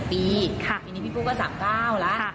ปีนี้พี่พู่ก็๓๙แล้ว